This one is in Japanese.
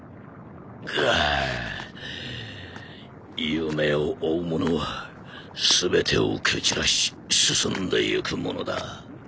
夢を追う者は全てを蹴散らし進んでいくものだ。